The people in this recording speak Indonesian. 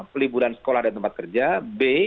peliburan sekolah dan tempat kerja b